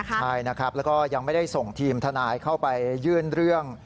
ใช่นะครับแล้วก็ยังไม่ได้ส่งทีมทนายเข้าไปยื่นเรื่อง